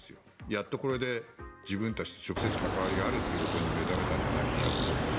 やっとこれで自分たちと直接関わりがあるということに目覚めたんじゃないかなと思います。